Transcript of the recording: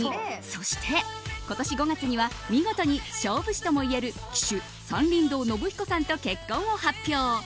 そして今年５月には見事に勝負師ともいえる騎手・山林堂信彦さんとの結婚を発表。